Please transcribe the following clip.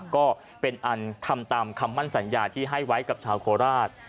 ก็เป็นอันทำตามคำมั่นสัญญาที่ให้ไว้กับชาวโคราช